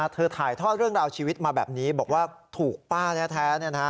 ถ่ายทอดเรื่องราวชีวิตมาแบบนี้บอกว่าถูกป้าแท้